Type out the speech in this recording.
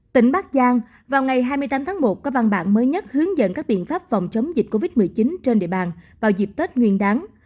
tỉnh bắc giang vào ngày hai mươi tám tháng một có văn bản mới nhất hướng dẫn các biện pháp phòng chống dịch covid một mươi chín trên địa bàn vào dịp tết nguyên đáng